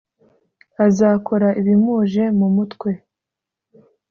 azakora ibimuje mu mutwe,